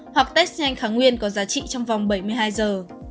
hoặc test nhanh kháng nguyên có giá trị trong vòng bảy mươi hai giờ